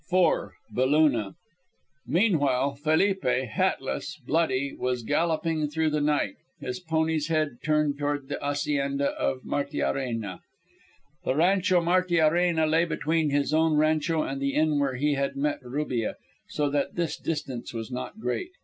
IV. BELUNA Meanwhile Felipe, hatless, bloody, was galloping through the night, his pony's head turned toward the hacienda of Martiarena. The Rancho Martiarena lay between his own rancho and the inn where he had met Rubia, so that this distance was not great.